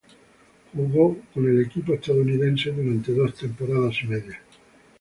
Jugó con el equipo estadounidense durante dos temporadas y media.